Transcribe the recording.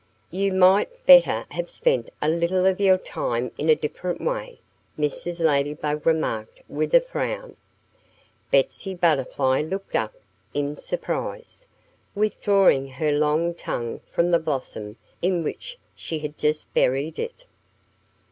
"You might better have spent a little of your time in a different way," Mrs. Ladybug remarked with a frown. Betsy Butterfly looked up in surprise, withdrawing her long tongue from the blossom in which she had just buried it.